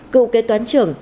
cựu kế toán trưởng